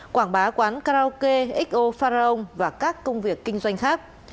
quảng bá quán karaoke xo faraong và các công việc kinh doanh khác